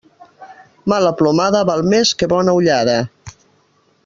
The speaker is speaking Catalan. Mala plomada val més que bona ullada.